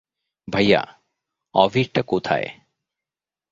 ভাইয়া, অভিরটা কোথায়?